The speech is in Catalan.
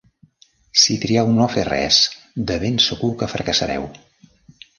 Si trieu no fer res, de ben segur que fracassareu.